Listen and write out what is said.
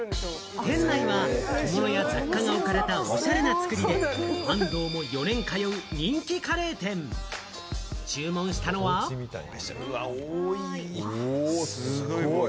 店内は雑貨が置かれた、おしゃれなつくりで安藤も４年通う、人気カレー店を注文したのは多い！